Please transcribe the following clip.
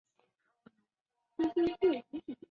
后来自大学中文系本科毕业。